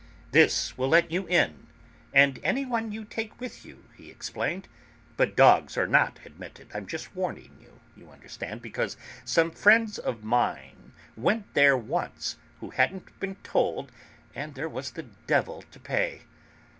"This will let you in, and anyone you take with you," he explained, "but dogs are not admitted. I'm just warning you, you understand, because some friends of mine went there once, who hadn't been told, and there was the devil to pay."